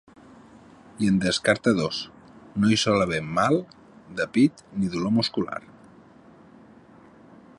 I en descarta dos: no hi sol haver mal de pit ni dolor muscular.